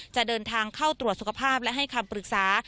จะเดินทางเข้าตรวจสุขภาพและให้คำปรึกษา